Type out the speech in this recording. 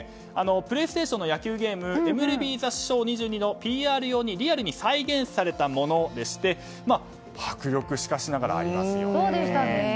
プレイステーションのゲーム「ＭＬＢＴｈｅＳｈｏｗ２２」のＰＲ用にリアルに再現されたもので迫力がありますよね。